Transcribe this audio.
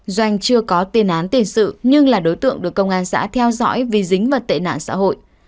doanh chưa có tiền án tiền sự nhưng là đối tượng được công an xã theo dõi vì dính và tệ nạn xã hội